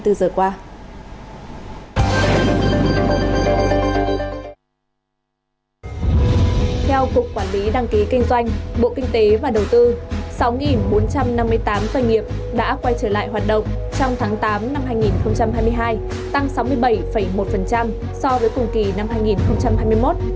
theo cục quản lý đăng ký kinh doanh bộ kinh tế và đầu tư sáu bốn trăm năm mươi tám doanh nghiệp đã quay trở lại hoạt động trong tháng tám năm hai nghìn hai mươi hai tăng sáu mươi bảy một so với cùng kỳ năm hai nghìn hai mươi một